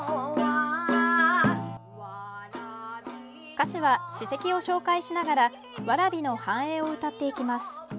歌詞は史跡を紹介しながら蕨の繁栄を歌っていきます。